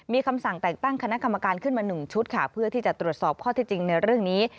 มีคำสั่งแต่งตั้งคณะกรรมการขึ้นมา๑ชุดค่ะเพื่อที่จะตรวจสอบข้อที่จริงในเรื่องนี้